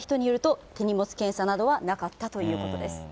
現場にいた人によると、手荷物検査などはなかったということです。